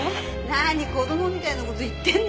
何子供みたいな事言ってんのよ。